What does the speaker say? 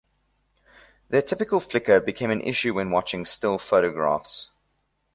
Their typical flicker became an issue when watching still photographs.